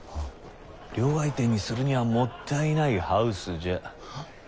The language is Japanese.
両替店にするにゃもったいないハウスじゃ！